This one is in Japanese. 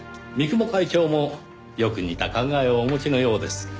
三雲会長もよく似た考えをお持ちのようです。